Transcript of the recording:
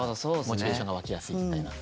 モチベーションが湧きやすいみたいな。